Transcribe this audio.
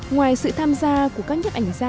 ngoài sự tham gia của các nhấp ảnh gia